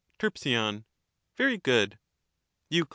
Terp, Very good. Euc.